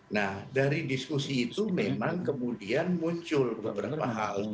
nah dari diskusi itu memang kemudian muncul beberapa hal